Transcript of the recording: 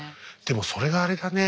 でもそれがあれだね。